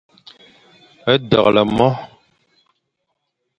Deghle mo.